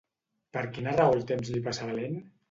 Per quina raó el temps li passava lent?